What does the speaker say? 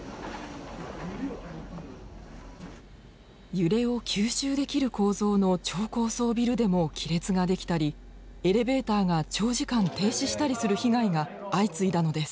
揺れを吸収できる構造の超高層ビルでも亀裂が出来たりエレベーターが長時間停止したりする被害が相次いだのです。